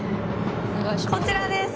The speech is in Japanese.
こちらです！